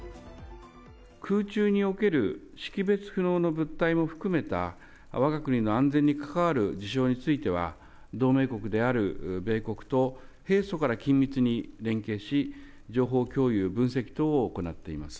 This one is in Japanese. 空中における識別不能の物体も含めたわが国の安全にかかわる事象については、同盟国である米国と平素から緊密に連携し、情報共有・分析等を行っています。